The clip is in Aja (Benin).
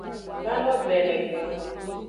Vano gbenegbe o.